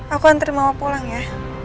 aku anterin mama pulang ya